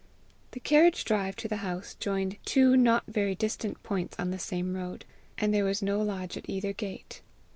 The carriage drive to the house joined two not very distant points on the same road, and there was no lodge at either gate.